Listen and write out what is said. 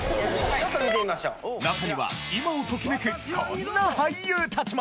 中には今をときめくこんな俳優たちも！